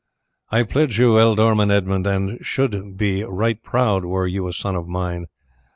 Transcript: I pledge you, Ealdorman Edmund, and should be right proud were you a son of mine.